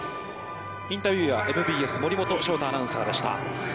インタビュアーはＭＢＳ森本尚太アナウンサーでした。